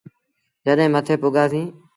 جڏهيݩ مٿي پُڳآسيٚݩ۔